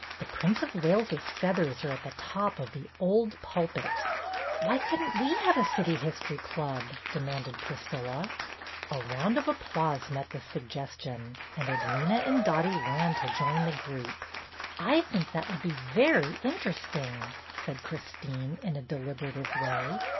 The Prince of Wales's feathers are at the top of the old pulpit." "Why couldn't we have a City History Club?" demanded Priscilla. 176 BETTY BAIRD'S GOLDEN YEAR A round of applause met this suggestion, and Edwyna and Dottie ran to join the group. ''I think that would be very interesting," said Christine, in a deliberative way.